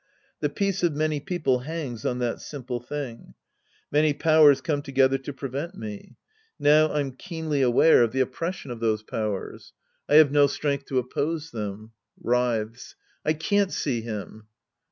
The peace of many people hangs on that simple thing. Many powers come together to prevent me. Now I'm keenly aware of the oppres Sc. II The Priest and His Disciples 131 sion of those powers. I have no strength to oppose them. {Wriikes.) I can't see him.